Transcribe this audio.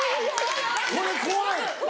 これ怖い！